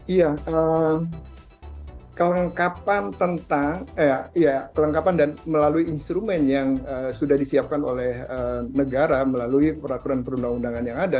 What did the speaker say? iya kelengkapan tentang kelengkapan dan melalui instrumen yang sudah disiapkan oleh negara melalui peraturan perundang undangan yang ada